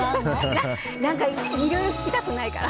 何かいろいろ聞きたくないから。